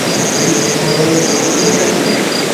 Además, trabaja regularmente como actor de cine.